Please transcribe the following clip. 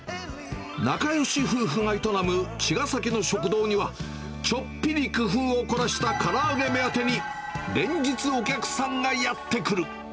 仲よし夫婦が営む茅ヶ崎の食堂には、ちょっぴり工夫を凝らしたから揚げ目当てに、連日、お客さんがやって来る。